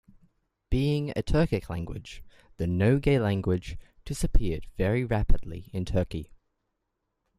Being a Turkic language, the Nogai language disappeared very rapidly in Turkey.